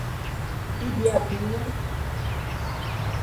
Ibiapina